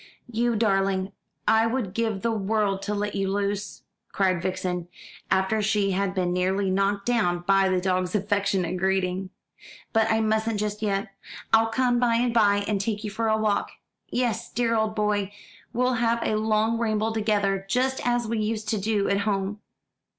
"You darling, I would give the world to let you loose," cried Vixen, after she had been nearly knocked down by the dog's affectionate greeting; "but I mustn't just yet. I'll come by and by and take you for a walk. Yes, dear old boy, we'll have a long ramble together, just as we used to do at home."